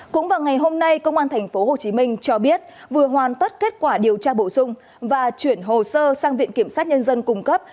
cũng vào ngày hôm nay công an thành phố hồ chí minh cho biết vừa hoàn tất kết quả điều tra bổ sung và chuyển hồ sơ sang viện kiểm sát nhân dân cung cấp